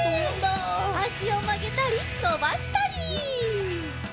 あしをまげたりのばしたり！